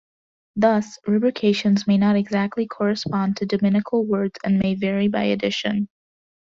Thus, rubrications may not exactly correspond to Dominical words and may vary by edition.